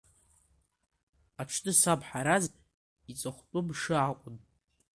Аҽны саб Ҳараз иҵыхәтәы мшы акәын.